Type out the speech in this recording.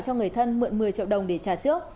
cho người thân mượn một mươi triệu đồng để trả trước